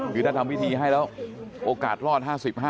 คือถ้าทำพิธีให้แล้วโอกาสรอด๕๕